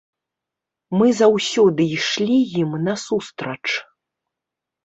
Мы заўсёды ішлі ім насустрач.